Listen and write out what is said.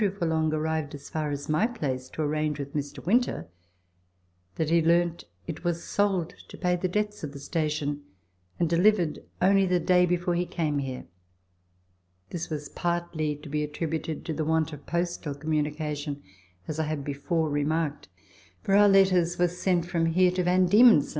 Forlonge arrived as far as my place to arrange with Mr. Winter, that he learnt it was sold to pay the debts of the station, and delivered only the day before he came here. This was partly to be attributed to the want of postal com munication, as I have before remarked, for our letters were sent 28 Letters from Victorian Pioneers. from hero to V. D.